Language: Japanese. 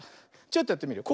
ちょっとやってみるよ。